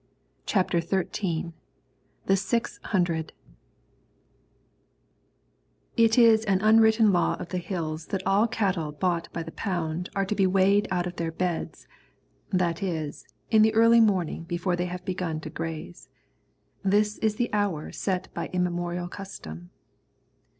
CHAPTER XIII THE SIX HUNDRED It is an unwritten law of the Hills that all cattle bought by the pound are to be weighed out of their beds, that is, in the early morning before they have begun to graze. This is the hour set by immemorial custom.